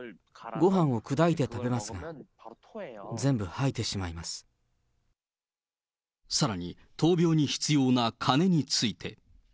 ごはんを砕いて食べますが、さらに、闘病に必要な金について。